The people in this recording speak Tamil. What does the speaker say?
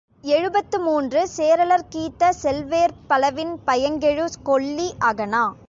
எழுபத்து மூன்று, சேரலற்கீத்த, செவ்வேர்ப் பலவின் பயங்கெழு கொல்லி அகநா.